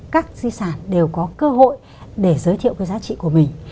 các di sản đều có cơ hội để giới thiệu cái giá trị của mình